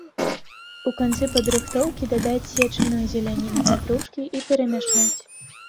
У канцы падрыхтоўкі дадаць сечаную зеляніну пятрушкі і перамяшаць.